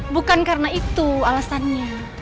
bukan karena itu alasannya